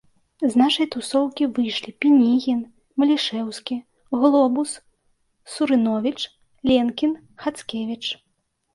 З нашай тусоўкі выйшлі Пінігін, Малішэўскі, Глобус, Сурыновіч, Ленкін, Хацкевіч